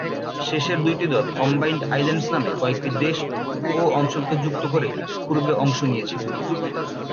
শেষের দুইটি দল কম্বাইন্ড আইল্যান্ডস নামে কয়েকটি দেশ ও অঞ্চলকে যুক্ত করে পূর্বে অংশ নিয়েছিল।